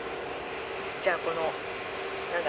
じゃあこの何だ？